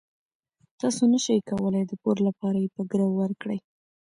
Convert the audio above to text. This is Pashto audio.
تاسو نشئ کولای د پور لپاره یې په ګرو ورکړئ.